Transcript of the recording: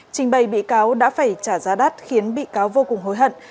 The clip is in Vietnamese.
trình bày bị cáo đã phải trả giá đắt khiến bị cáo vô cùng hối hận